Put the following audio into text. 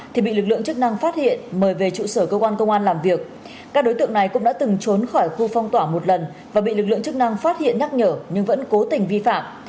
thì bị lực lượng chức năng phát hiện mời về trụ sở cơ quan công an làm việc các đối tượng này cũng đã từng trốn khỏi khu phong tỏa một lần và bị lực lượng chức năng phát hiện nhắc nhở nhưng vẫn cố tình vi phạm